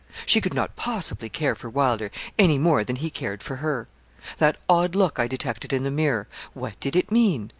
She could not possibly care for Wylder, any more than he cared for her. That odd look I detected in the mirror what did it mean?